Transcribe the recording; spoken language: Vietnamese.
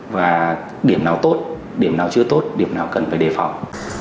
và điểm nào tốt điểm nào chưa tốt điểm nào cần phải đề phòng